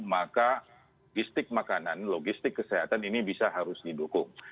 maka logistik makanan logistik kesehatan ini bisa harus didukung